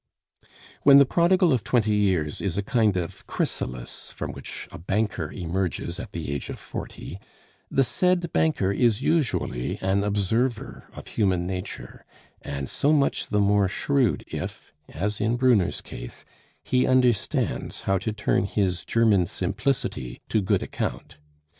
When the prodigal of twenty years is a kind of chrysalis from which a banker emerges at the age of forty, the said banker is usually an observer of human nature; and so much the more shrewd if, as in Brunner's case, he understands how to turn his German simplicity to good account.